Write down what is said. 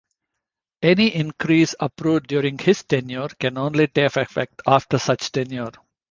Any increase approved during his tenure can only take effect after such tenure.